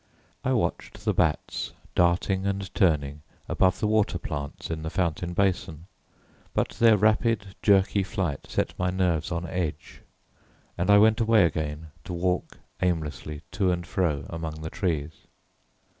I watched the bats darting and turning above the water plants in the fountain basin, but their rapid, jerky flight set my nerves on edge, and I went away again to walk aimlessly to and fro among the trees.